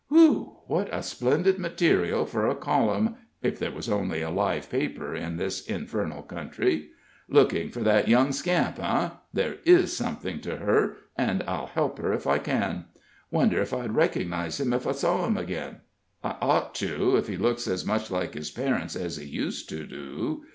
Whew w w! What splendid material for a column, if there was only a live paper in this infernal country! Looking for that young scamp, eh? There is something to her, and I'll help her if I can. Wonder if I'd recognize him if I saw him again? I ought to, if he looks as much like his parents as he used to do.